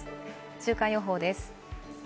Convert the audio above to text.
週間予報です。